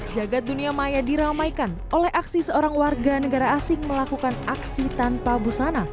jagad dunia maya diramaikan oleh aksi seorang warga negara asing melakukan aksi tanpa busana